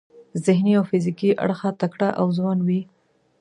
ذهني او فزیکي اړخه تکړه او ځوان وي.